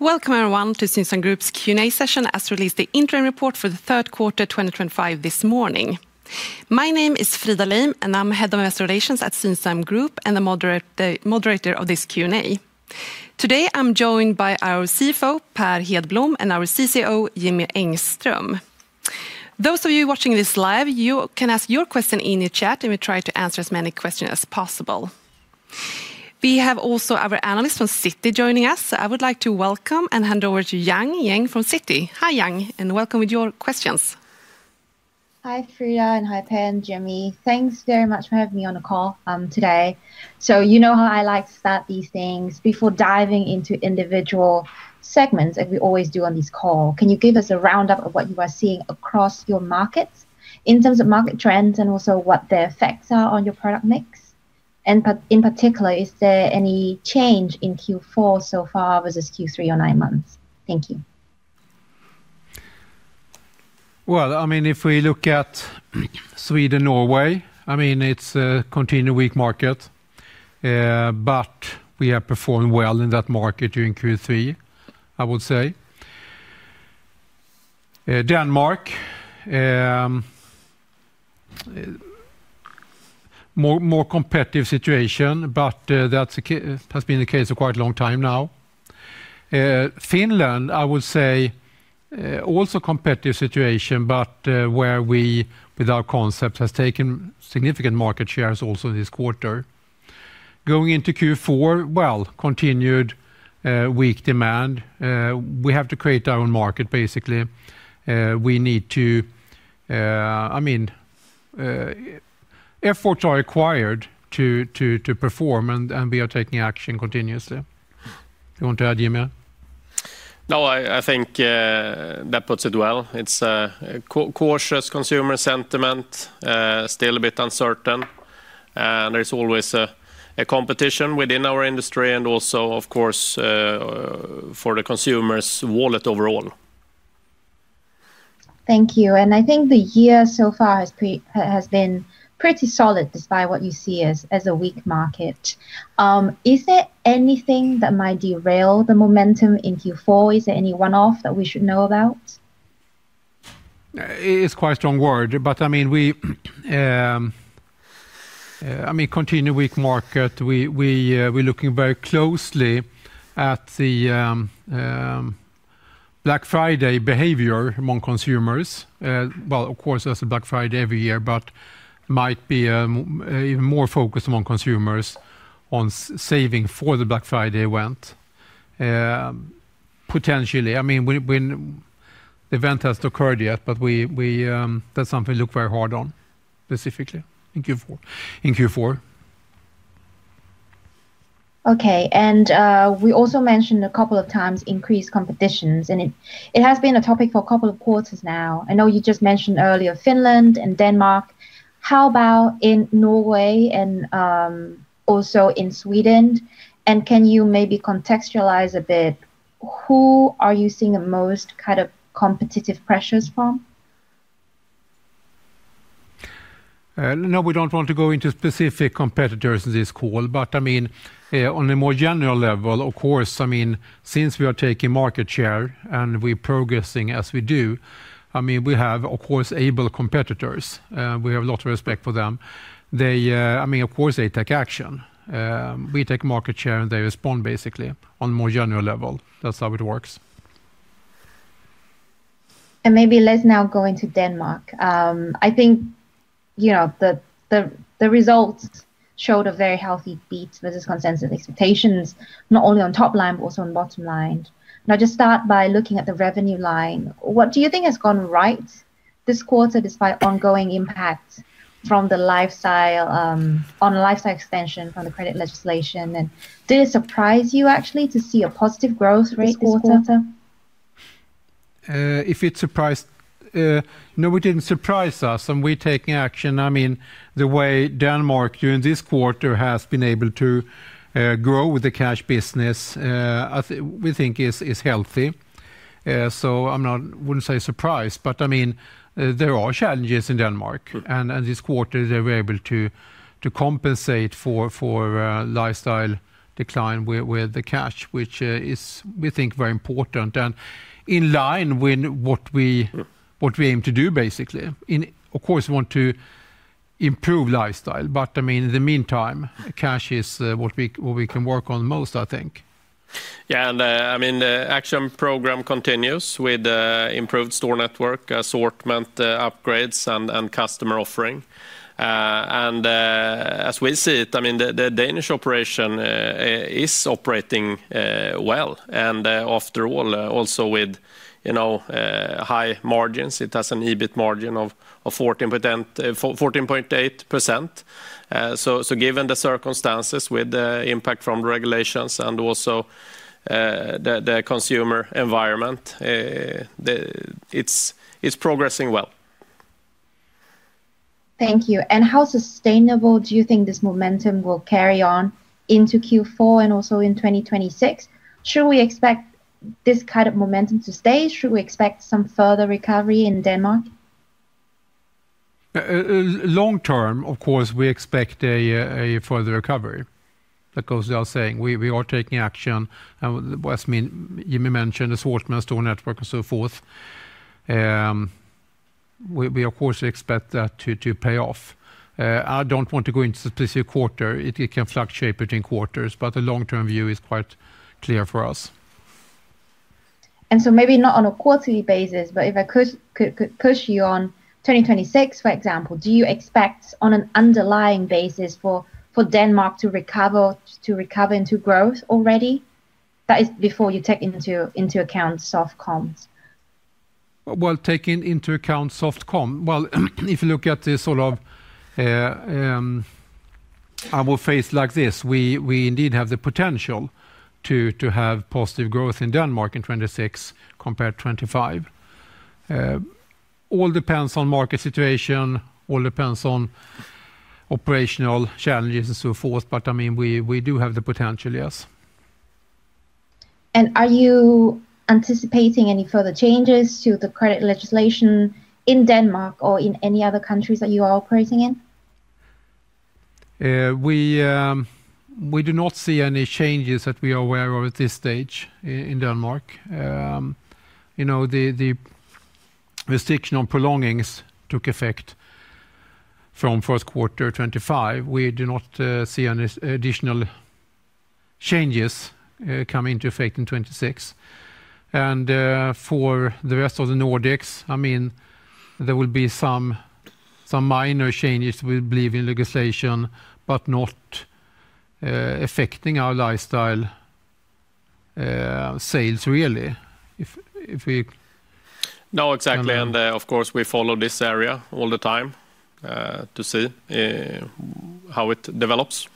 Welcome, everyone, to Synsam Group's Q&A session as we release the interim report for the third quarter 2025 this morning. My name is Frida Leim, and I'm Head of Investor Relations at Synsam Group and the moderator of this Q&A. Today, I'm joined by our CFO, Per Hedblom, and our CCO, Jimmy Engström. Those of you watching this live, you can ask your question in the chat, and we try to answer as many questions as possible. We have also our analyst from Citi joining us. I would like to welcome and hand over to Yang Yang from Citi. Hi, Yang, and welcome with your questions. Hi, Frida, and hi, Per, and Jimmy. Thanks very much for having me on the call today. You know how I like to start these things before diving into individual segments, as we always do on this call. Can you give us a roundup of what you are seeing across your markets in terms of market trends and also what their effects are on your product mix? In particular, is there any change in Q4 so far versus Q3 or nine months? Thank you. If we look at Sweden and Norway, I mean, it's a continuing weak market, but we have performed well in that market during Q3, I would say. Denmark, more competitive situation, but that's been the case for quite a long time now. Finland, I would say, also competitive situation, but where we, with our concepts, have taken significant market shares also this quarter. Going into Q4, continued weak demand. We have to create our own market, basically. We need to, I mean, efforts are required to perform, and we are taking action continuously. Do you want to add, Jimmy? No, I think that puts it well. It's a cautious consumer sentiment, still a bit uncertain. There's always a competition within our industry and also, of course, for the consumer's wallet overall. Thank you. I think the year so far has been pretty solid despite what you see as a weak market. Is there anything that might derail the momentum in Q4? Is there any one-off that we should know about? It's quite a strong word, but I mean, we continue weak market. We're looking very closely at the Black Friday behavior among consumers. Of course, there's a Black Friday every year, but might be even more focused among consumers on saving for the Black Friday event. Potentially, I mean, the event hasn't occurred yet, but that's something we look very hard on specifically in Q4. Okay. We also mentioned a couple of times increased competition, and it has been a topic for a couple of quarters now. I know you just mentioned earlier Finland and Denmark. How about in Norway and also in Sweden? Can you maybe contextualize a bit who are you seeing the most kind of competitive pressures from? No, we don't want to go into specific competitors in this call, but I mean, on a more general level, of course, I mean, since we are taking market share and we're progressing as we do, I mean, we have, of course, able competitors. We have a lot of respect for them. I mean, of course, they take action. We take market share, and they respond basically on a more general level. That's how it works. Maybe let's now go into Denmark. I think the results showed a very healthy beat versus consensus expectations, not only on top line, but also on bottom line. Just start by looking at the revenue line. What do you think has gone right this quarter despite ongoing impact from the lifestyle extension from the credit legislation? Did it surprise you actually to see a positive growth rate this quarter? If it surprised, no, it didn't surprise us. We're taking action. I mean, the way Denmark during this quarter has been able to grow with the cash business, we think is healthy. I wouldn't say surprised, but I mean, there are challenges in Denmark. This quarter, they were able to compensate for lifestyle decline with the cash, which is, we think, very important and in line with what we aim to do, basically. Of course, we want to improve lifestyle, but I mean, in the meantime, cash is what we can work on most, I think. Yeah, and I mean, the action program continues with improved store network, assortment upgrades, and customer offering. As we see it, I mean, the Danish operation is operating well. After all, also with high margins, it has an EBIT margin of 14.8%. Given the circumstances with the impact from regulations and also the consumer environment, it is progressing well. Thank you. How sustainable do you think this momentum will carry on into Q4 and also in 2026? Should we expect this kind of momentum to stay? Should we expect some further recovery in Denmark? Long term, of course, we expect a further recovery. Like I was saying, we are taking action. As Jimmy mentioned, assortment, store network, and so forth. We, of course, expect that to pay off. I do not want to go into specific quarter. It can fluctuate between quarters, but the long-term view is quite clear for us. Maybe not on a quarterly basis, but if I could push you on 2026, for example, do you expect on an underlying basis for Denmark to recover into growth already? That is before you take into account soft comms. Taking into account soft comms, if you look at the sort of our face like this, we indeed have the potential to have positive growth in Denmark in 2026 compared to 2025. All depends on market situation, all depends on operational challenges and so forth, but I mean, we do have the potential, yes. Are you anticipating any further changes to the credit legislation in Denmark or in any other countries that you are operating in? We do not see any changes that we are aware of at this stage in Denmark. The restriction on prolongings took effect from first quarter 2025. We do not see any additional changes coming into effect in 2026. For the rest of the Nordics, I mean, there will be some minor changes, we believe, in legislation, but not affecting our lifestyle sales really. If we. No, exactly. Of course, we follow this area all the time to see how it develops.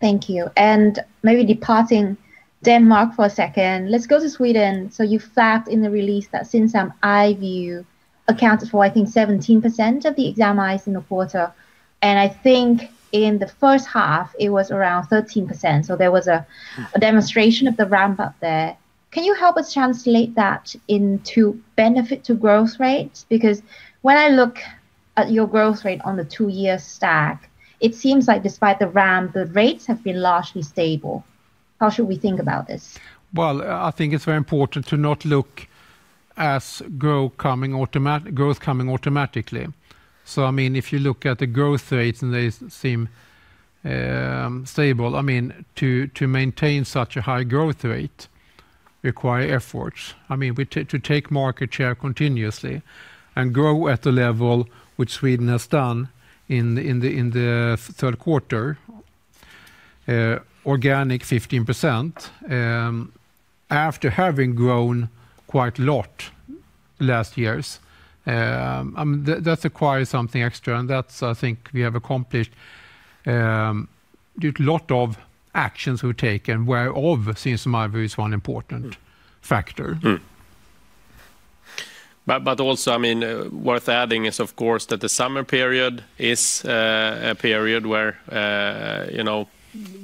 Thank you. Maybe departing Denmark for a second, let's go to Sweden. You flagged in the release that Synsam IVU accounted for, I think, 17% of the exam ice in the quarter. I think in the first half, it was around 13%. There was a demonstration of the ramp up there. Can you help us translate that into benefit to growth rates? Because when I look at your growth rate on the two-year stack, it seems like despite the ramp, the rates have been largely stable. How should we think about this? I think it's very important to not look at growth coming automatically. I mean, if you look at the growth rates and they seem stable, to maintain such a high growth rate requires efforts. I mean, to take market share continuously and grow at the level which Sweden has done in the third quarter, organic 15% after having grown quite a lot last years, that requires something extra. And that's, I think, we have accomplished a lot of actions we've taken whereof Synsam IVU is one important factor. I mean, worth adding is, of course, that the summer period is a period where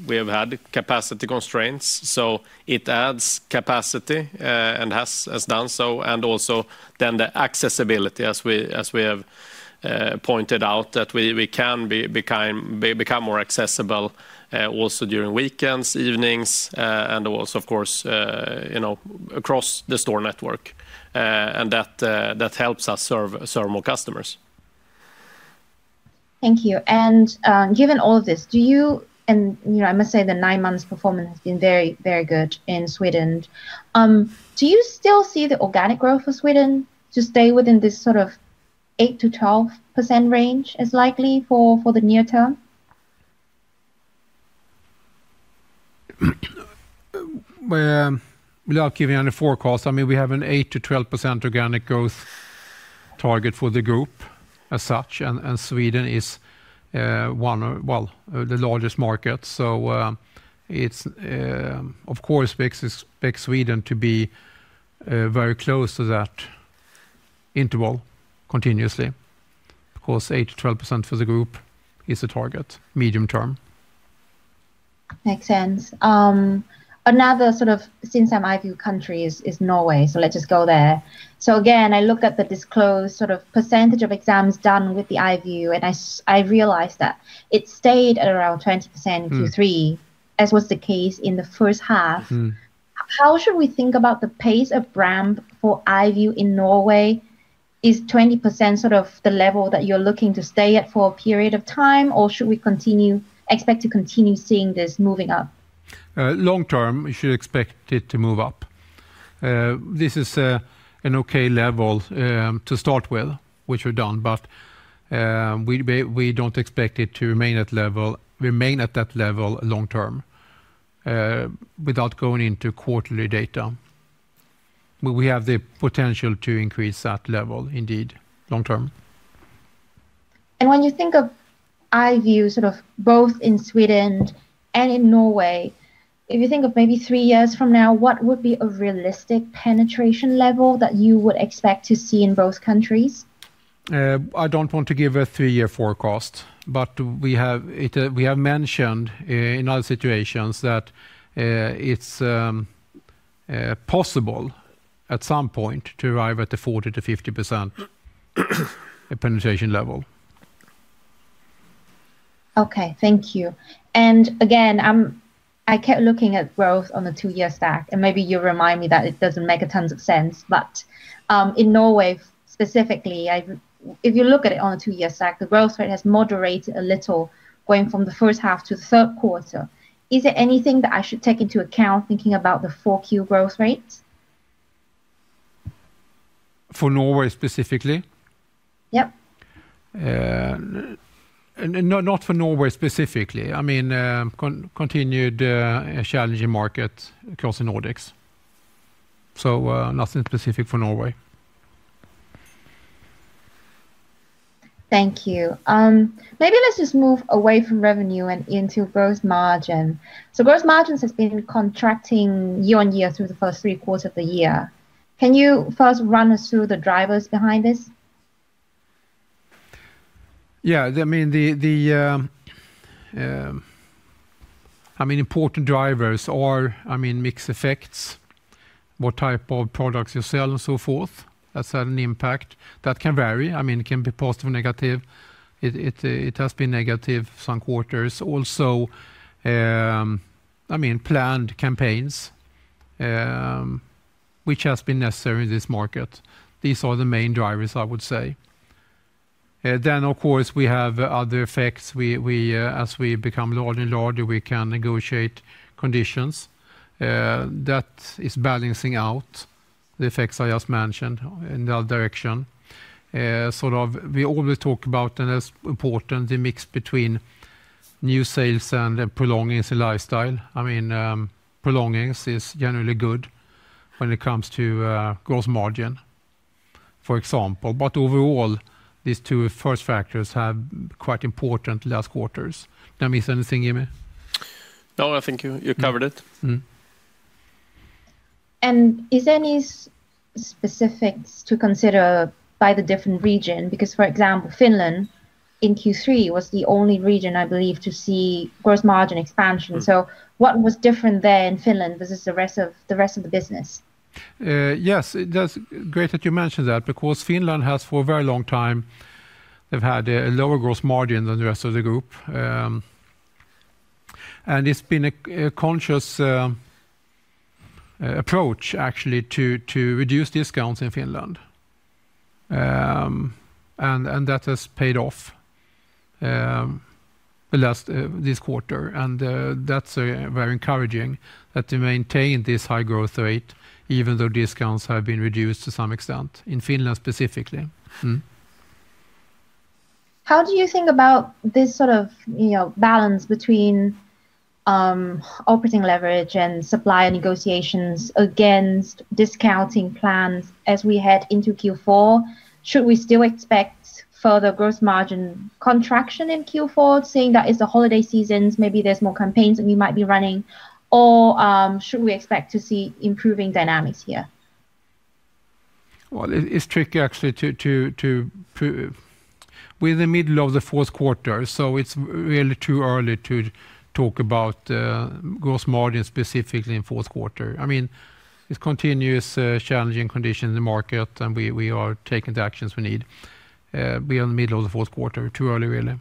we have had capacity constraints. It adds capacity and has done so. Also, the accessibility, as we have pointed out, that we can become more accessible also during weekends, evenings, and also, of course, across the store network. That helps us serve more customers. Thank you. Given all of this, do you, and I must say the nine months performance has been very, very good in Sweden. Do you still see the organic growth for Sweden to stay within this sort of 8-12% range as likely for the near term? I'll give you another forecast. I mean, we have an 8-12% organic growth target for the group as such. And Sweden is one of, well, the largest markets. So it's, of course, expects Sweden to be very close to that interval continuously. Of course, 8-12% for the group is a target medium term. Makes sense. Another sort of Synsam IVU country is Norway, so let's just go there. Again, I look at the disclosed sort of percentage of exams done with the IVU, and I realized that it stayed at around 20% in Q3, as was the case in the first half. How should we think about the pace of ramp for IVU in Norway? Is 20% sort of the level that you're looking to stay at for a period of time, or should we expect to continue seeing this moving up? Long term, we should expect it to move up. This is an okay level to start with, which we've done, but we don't expect it to remain at that level long term without going into quarterly data. We have the potential to increase that level indeed long term. When you think of IVU sort of both in Sweden and in Norway, if you think of maybe three years from now, what would be a realistic penetration level that you would expect to see in both countries? I don't want to give a three-year forecast, but we have mentioned in other situations that it's possible at some point to arrive at the 40-50% penetration level. Okay, thank you. Again, I kept looking at growth on the two-year stack, and maybe you'll remind me that it doesn't make a ton of sense, but in Norway specifically, if you look at it on the two-year stack, the growth rate has moderated a little going from the first half to the third quarter. Is there anything that I should take into account thinking about the Q4 growth rate? For Norway specifically? Yep. Not for Norway specifically. I mean, continued challenging market across the Nordics. So nothing specific for Norway. Thank you. Maybe let's just move away from revenue and into gross margin. So gross margins have been contracting year on year through the first three quarters of the year. Can you first run us through the drivers behind this? Yeah, I mean, the important drivers are, I mean, mix effects, what type of products you sell and so forth. That's had an impact. That can vary. I mean, it can be positive or negative. It has been negative some quarters. Also, I mean, planned campaigns, which has been necessary in this market. These are the main drivers, I would say. Then, of course, we have other effects. As we become larger and larger, we can negotiate conditions. That is balancing out the effects I just mentioned in that direction. Sort of we always talk about and it's important, the mix between new sales and prolongings in lifestyle. I mean, prolongings is generally good when it comes to gross margin, for example. But overall, these two first factors have quite important last quarters. Did I miss anything, Jimmy? No, I think you covered it. Is there any specifics to consider by the different region? Because, for example, Finland in Q3 was the only region, I believe, to see gross margin expansion. What was different there in Finland versus the rest of the business? Yes, it does. Great that you mentioned that because Finland has for a very long time, they've had a lower gross margin than the rest of the group. It's been a conscious approach, actually, to reduce discounts in Finland. That has paid off this quarter. That's very encouraging that they maintained this high growth rate, even though discounts have been reduced to some extent in Finland specifically. How do you think about this sort of balance between operating leverage and supply and negotiations against discounting plans as we head into Q4? Should we still expect further gross margin contraction in Q4, seeing that it's the holiday seasons? Maybe there's more campaigns that we might be running. Should we expect to see improving dynamics here? It's tricky, actually, to we're in the middle of the fourth quarter, so it's really too early to talk about gross margin specifically in fourth quarter. I mean, it's continuous challenging conditions in the market, and we are taking the actions we need. We are in the middle of the fourth quarter. Too early, really.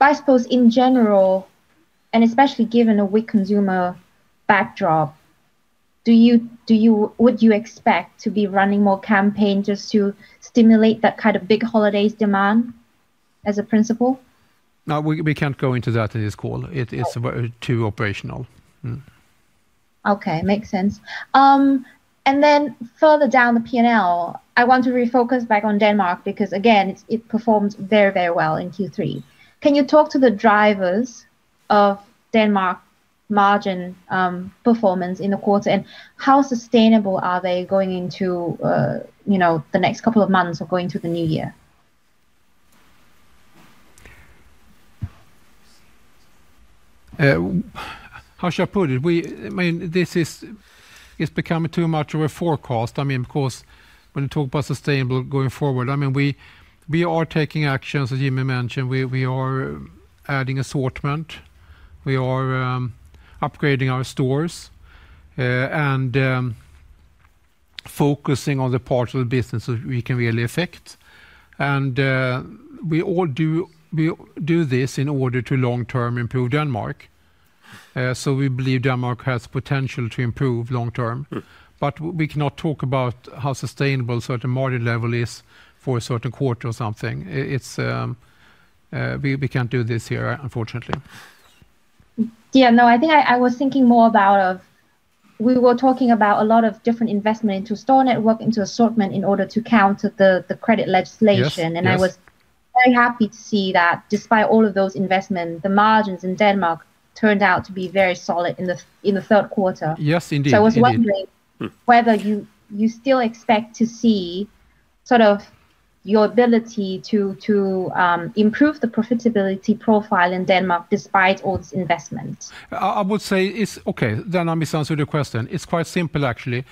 I suppose in general, and especially given a weak consumer backdrop, would you expect to be running more campaigns just to stimulate that kind of big holidays demand as a principle? No, we can't go into that in this call. It's too operational. Okay, makes sense. Then further down the P&L, I want to refocus back on Denmark because, again, it performed very, very well in Q3. Can you talk to the drivers of Denmark's margin performance in the quarter? How sustainable are they going into the next couple of months or going into the new year? How should I put it? I mean, this is becoming too much of a forecast. I mean, of course, when you talk about sustainable going forward, I mean, we are taking actions, as Jimmy mentioned. We are adding assortment. We are upgrading our stores and focusing on the parts of the business that we can really affect. We all do this in order to long-term improve Denmark. We believe Denmark has potential to improve long-term. We cannot talk about how sustainable a certain margin level is for a certain quarter or something. We can't do this here, unfortunately. Yeah, no, I think I was thinking more about we were talking about a lot of different investment into store network, into assortment in order to counter the credit legislation. I was very happy to see that despite all of those investments, the margins in Denmark turned out to be very solid in the third quarter. Yes, indeed. I was wondering whether you still expect to see sort of your ability to improve the profitability profile in Denmark despite all this investment. I would say, okay, then I understand your question. It's quite simple, actually.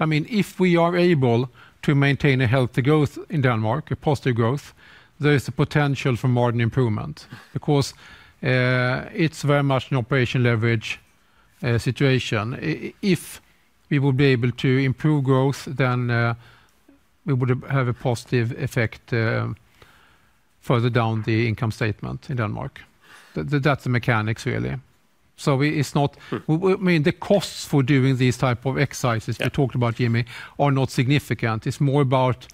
I mean, if we are able to maintain a healthy growth in Denmark, a positive growth, there is a potential for margin improvement because it's very much an operation leverage situation. If we would be able to improve growth, then we would have a positive effect further down the income statement in Denmark. That's the mechanics, really. It's not, I mean, the costs for doing these types of exercises we talked about, Jimmy, are not significant. It's more about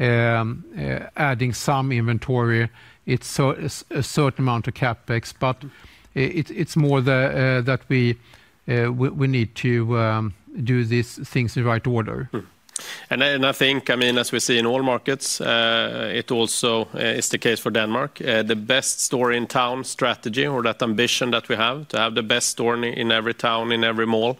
adding some inventory. It's a certain amount of CapEx, but it's more that we need to do these things in the right order. I think, I mean, as we see in all markets, it also is the case for Denmark, the best store in town strategy or that ambition that we have to have the best store in every town, in every mall.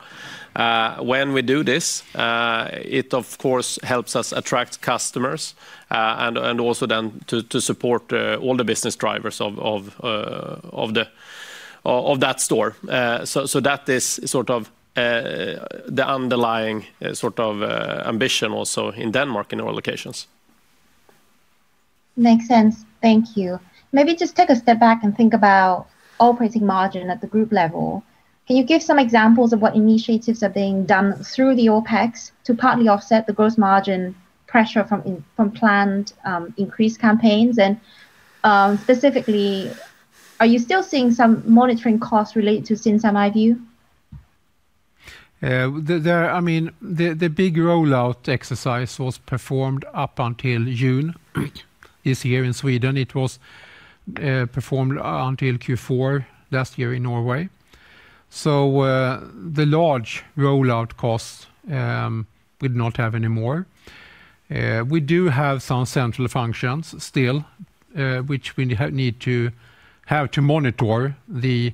When we do this, it, of course, helps us attract customers and also then to support all the business drivers of that store. That is sort of the underlying sort of ambition also in Denmark in all locations. Makes sense. Thank you. Maybe just take a step back and think about operating margin at the group level. Can you give some examples of what initiatives are being done through the OpEX to partly offset the gross margin pressure from planned increase campaigns? Specifically, are you still seeing some monitoring costs related to Synsam IVU? I mean, the big rollout exercise was performed up until June this year in Sweden. It was performed until Q4 last year in Norway. The large rollout costs we do not have anymore. We do have some central functions still, which we need to have to monitor the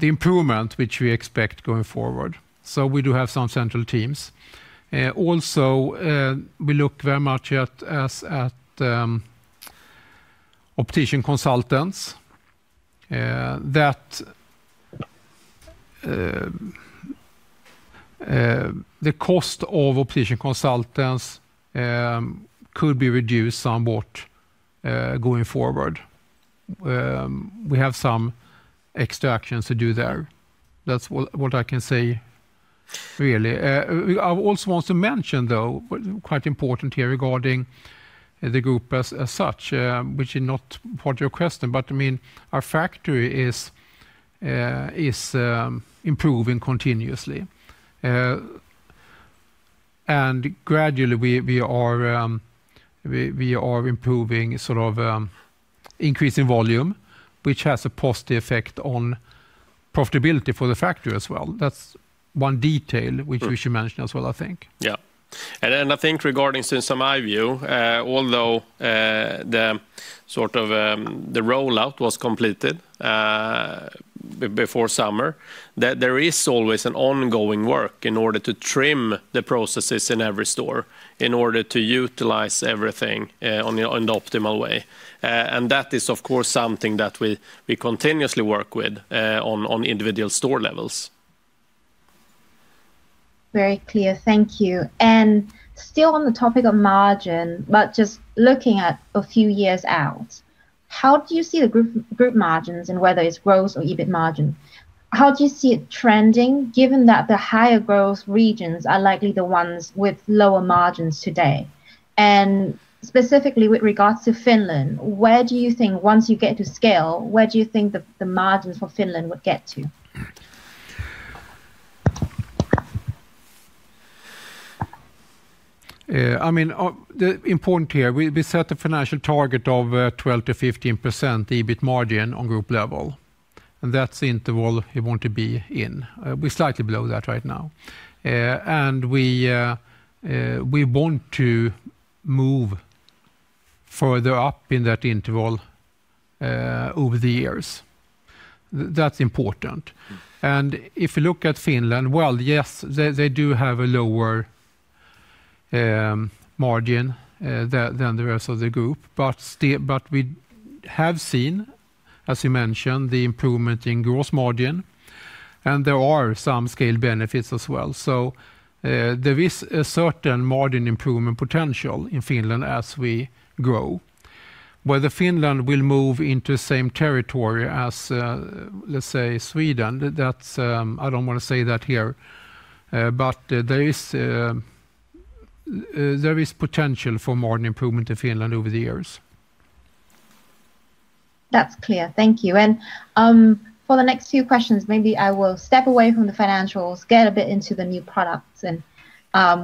improvement, which we expect going forward. We do have some central teams. Also, we look very much at optician consultants. The cost of optician consultants could be reduced somewhat going forward. We have some extra actions to do there. That's what I can say, really. I also want to mention, though, quite important here regarding the group as such, which is not part of your question, but I mean, our factory is improving continuously. Gradually, we are improving, sort of increasing volume, which has a positive effect on profitability for the factory as well. That's one detail which we should mention as well, I think. Yeah. I think regarding Synsam IVU, although the sort of the rollout was completed before summer, there is always an ongoing work in order to trim the processes in every store in order to utilize everything in the optimal way. That is, of course, something that we continuously work with on individual store levels. Very clear. Thank you. Still on the topic of margin, but just looking at a few years out, how do you see the group margins and whether it is gross or EBIT margin? How do you see it trending given that the higher gross regions are likely the ones with lower margins today? Specifically with regards to Finland, where do you think once you get to scale, where do you think the margins for Finland would get to? I mean, the important here, we set a financial target of 12-15% EBIT margin on group level. That's the interval we want to be in. We're slightly below that right now. We want to move further up in that interval over the years. That's important. If you look at Finland, yes, they do have a lower margin than the rest of the group, but we have seen, as you mentioned, the improvement in gross margin. There are some scale benefits as well. There is a certain margin improvement potential in Finland as we grow. Whether Finland will move into the same territory as, let's say, Sweden, I don't want to say that here, but there is potential for margin improvement in Finland over the years. That's clear. Thank you. For the next few questions, maybe I will step away from the financials, get a bit into the new products, and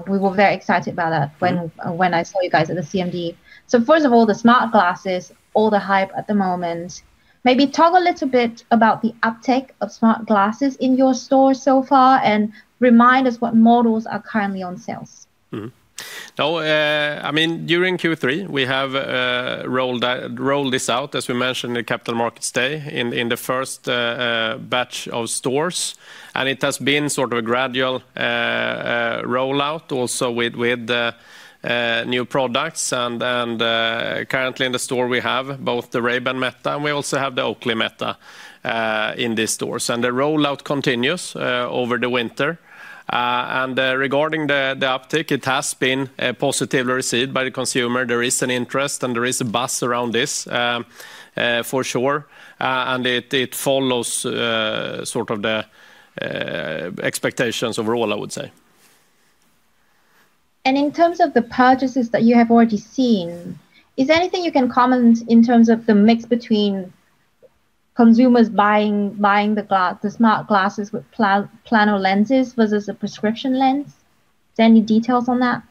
we were very excited about that when I saw you guys at the CMD. First of all, the smart glasses, all the hype at the moment. Maybe talk a little bit about the uptake of smart glasses in your store so far and remind us what models are currently on sales. No, I mean, during Q3, we have rolled this out, as we mentioned, at the capital markets day in the first batch of stores. It has been sort of a gradual rollout also with new products. Currently in the store, we have both the Ray-Ban Meta and we also have the Oakley Meta in these stores. The rollout continues over the winter. Regarding the uptake, it has been positively received by the consumer. There is an interest and there is a buzz around this for sure. It follows sort of the expectations overall, I would say. In terms of the purchases that you have already seen, is there anything you can comment in terms of the mix between consumers buying the smart glasses with plano lenses versus a prescription lens? Is there any details on that?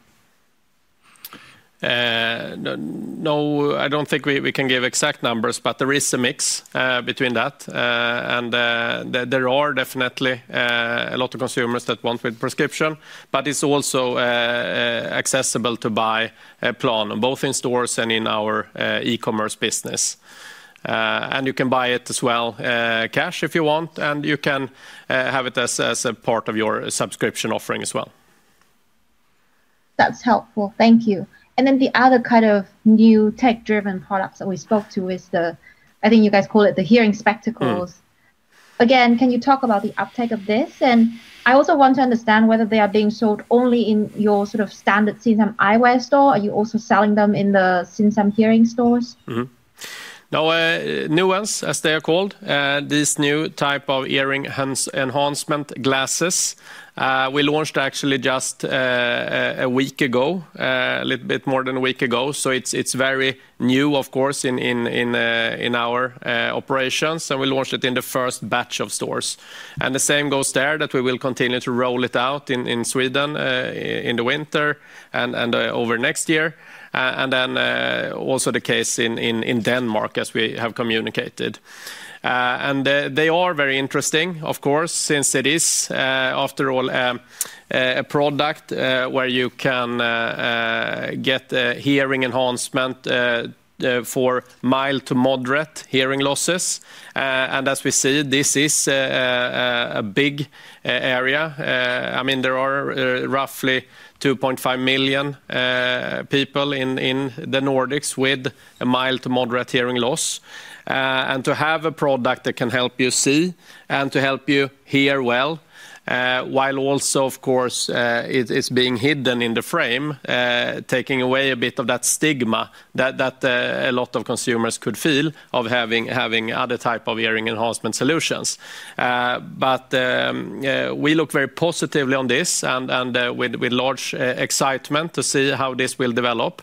No, I do not think we can give exact numbers, but there is a mix between that. There are definitely a lot of consumers that want with prescription, but it is also accessible to buy a plano, both in stores and in our e-commerce business. You can buy it as well cash if you want, and you can have it as a part of your subscription offering as well. That's helpful. Thank you. The other kind of new tech-driven products that we spoke to is the, I think you guys call it the hearing spectacles. Again, can you talk about the uptake of this? I also want to understand whether they are being sold only in your sort of standard Synsam eyewear store. Are you also selling them in the Synsam hearing stores? No, new ones, as they are called. These new type of hearing enhancement glasses we launched actually just a week ago, a little bit more than a week ago. It is very new, of course, in our operations. We launched it in the first batch of stores. The same goes there that we will continue to roll it out in Sweden in the winter and over next year. This is also the case in Denmark, as we have communicated. They are very interesting, of course, since it is, after all, a product where you can get hearing enhancement for mild to moderate hearing losses. I mean, there are roughly 2.5 million people in the Nordics with a mild to moderate hearing loss. To have a product that can help you see and to help you hear well while also, of course, it's being hidden in the frame, taking away a bit of that stigma that a lot of consumers could feel of having other type of hearing enhancement solutions. We look very positively on this and with large excitement to see how this will develop.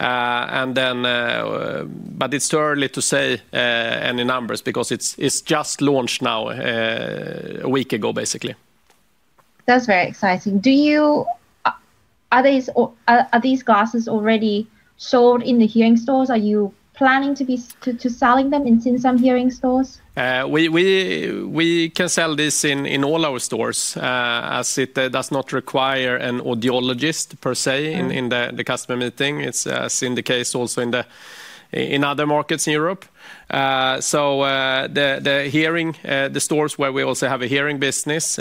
It is too early to say any numbers because it is just launched now, a week ago, basically. That's very exciting. Are these glasses already sold in the hearing stores? Are you planning to be selling them in Synsam hearing stores? We can sell this in all our stores as it does not require an audiologist per se in the customer meeting. It is the case also in other markets in Europe. The hearing, the stores where we also have a hearing business,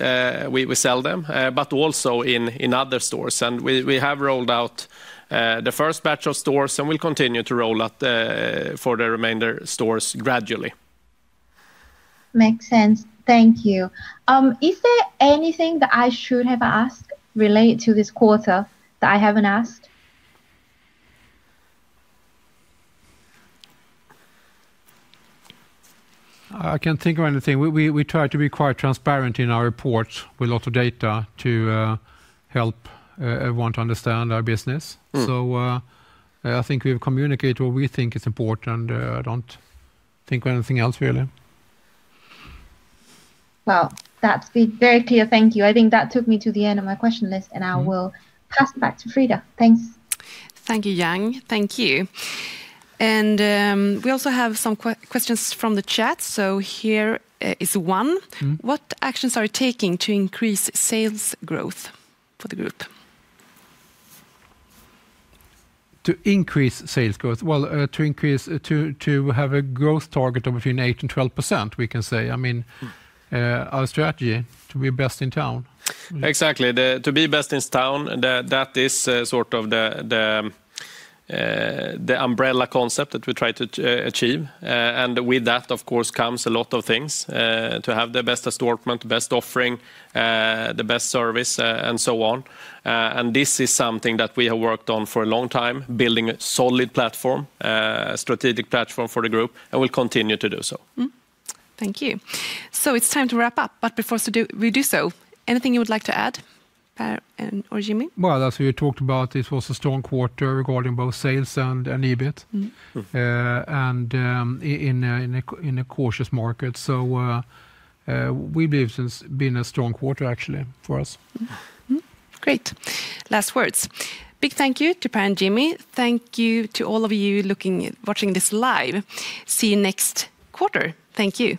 we sell them, but also in other stores. We have rolled out the first batch of stores and we will continue to roll out for the remainder stores gradually. Makes sense. Thank you. Is there anything that I should have asked related to this quarter that I haven't asked? I can't think of anything. We try to be quite transparent in our reports with lots of data to help everyone to understand our business. I think we've communicated what we think is important. I don't think of anything else, really. That is very clear. Thank you. I think that took me to the end of my question list, and I will pass it back to Frida. Thanks. Thank you, Yang. Thank you. We also have some questions from the chat. Here is one. What actions are you taking to increase sales growth for the group? To increase sales growth? To have a growth target of between 8% and 12%, we can say. I mean, our strategy to be best in town. Exactly. To be best in town, that is sort of the umbrella concept that we try to achieve. With that, of course, comes a lot of things to have the best assortment, the best offering, the best service, and so on. This is something that we have worked on for a long time, building a solid platform, a strategic platform for the group, and we'll continue to do so. Thank you. So it's time to wrap up, but before we do so, anything you would like to add, Per or Jimmy? As we talked about, it was a strong quarter regarding both sales and EBIT. In a cautious market, we believe it has been a strong quarter, actually, for us. Great. Last words. Big thank you to Per and Jimmy. Thank you to all of you watching this live. See you next quarter. Thank you.